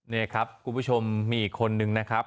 นี่ครับคุณผู้ชมมีอีกคนนึงนะครับ